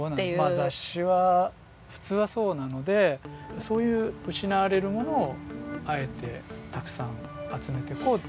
まあ雑誌は普通はそうなのでそういう失われるものをあえてたくさん集めてこうっていう。